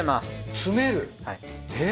詰めるえっ？